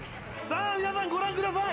皆さん、ご覧ください。